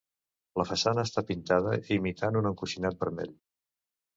La façana està pintada imitant un encoixinat vermell.